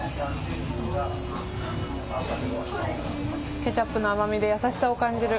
ケチャップの甘みで優しさを感じる。